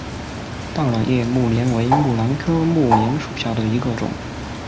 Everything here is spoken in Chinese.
倒卵叶木莲为木兰科木莲属下的一个种。